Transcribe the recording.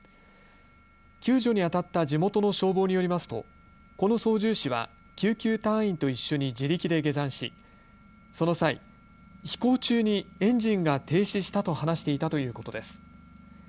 救助にあたった地元の消防によりますとこの操縦士は救急隊員と一緒に自力で下山しその際、飛行中にエンジンが停止したと話していたということです。